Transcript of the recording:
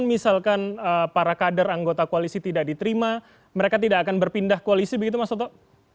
misalkan para kader anggota koalisi tidak diterima mereka tidak akan berpindah koalisi begitu mas toto